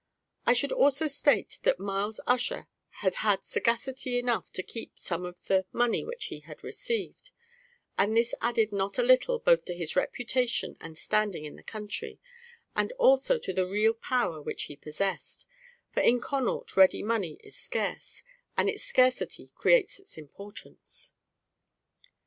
I should also state that Myles Ussher had had sagacity enough to keep some of the money which he had received, and this added not a little both to his reputation and standing in the country, and also to the real power which he possessed; for in Connaught ready money is scarce, and its scarcity creates its importance.